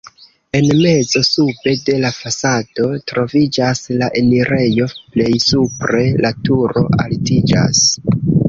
En mezo, sube de la fasado troviĝas la enirejo, plej supre la turo altiĝas.